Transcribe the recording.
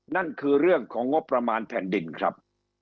นั่นคือเรื่องของงบประมาณแผ่นดินครับ